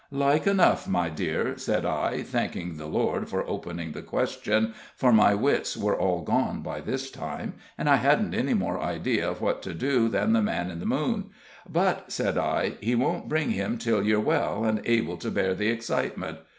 "Like enough, my dear," said I, thanking the Lord for opening the question, for my wits were all gone by this time, and I hadn't any more idea of what to do than the man in the moon; "but," said I, "He won't bring him till you're well, and able to bear the excitement."